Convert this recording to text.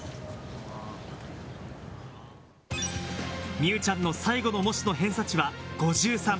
美羽ちゃんの最後の模試の偏差値は５３。